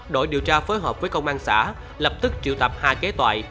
đội điều tra phối hợp với công an xã lập tức triệu tạp hà kế toại